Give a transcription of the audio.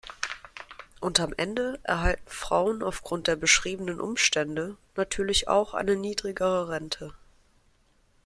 Und am Ende erhalten Frauen aufgrund der beschriebenen Umstände natürlich auch eine niedrigere Rente.